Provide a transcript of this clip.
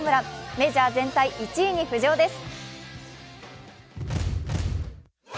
メジャー全体１位に浮上です。